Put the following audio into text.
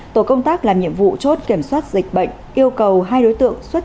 tổ công tác làm nhiệm vụ chốt kiểm soát dịch bệnh